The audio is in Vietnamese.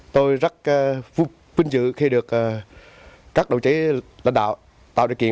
tôi rất vinh dự khi được các đồng chí lãnh đạo tạo điều kiện